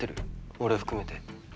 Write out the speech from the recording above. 俺含めて。